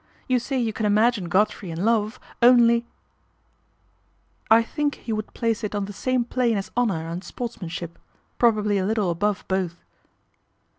You say you can imagine Godfrey in loffl only " I think he would place it on the same plane honour and sportsmanship, probably a tittle aba both."